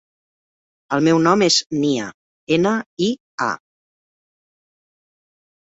El meu nom és Nia: ena, i, a.